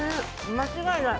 間違いない。